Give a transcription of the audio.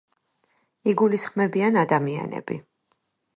იგულისხმებიან ადამიანები